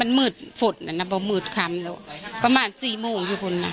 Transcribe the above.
ปกติพี่สาวเราเนี่ยครับเป็นคนเชี่ยวชาญในเส้นทางป่าทางนี้อยู่แล้วหรือเปล่าครับ